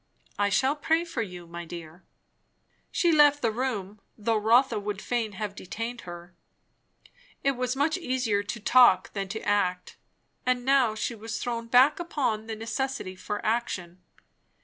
I shall pray for you, my dear." She left the room, though Rotha would fain have detained her. It was much easier to talk than to act; and now she was thrown back upon the necessity for action.